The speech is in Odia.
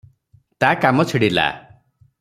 ତା କାମ ଛିଡ଼ିଲା ।